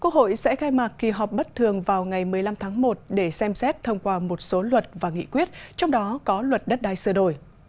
quốc hội sẽ khai mạc kỳ họp bất thường vào ngày một mươi năm tháng một để xem xét thông qua một số luật và nghị quyết trong đó có luật đất đai sửa đổi